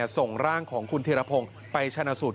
ส่งร่างของคุณธีรพงศ์ไปชนะสูตร